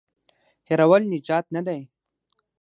هېرول نجات نه دی.